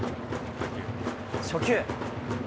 初球。